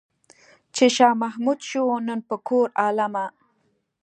چې شاه محمود شو نن په کور عالمه.